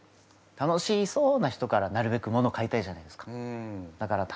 楽しそうな人からなるべくもの買いたいじゃないですか。